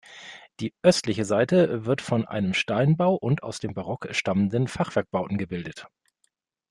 Die östliche Seite wird von einem Steinbau und aus dem Barock stammenden Fachwerkbauten gebildet.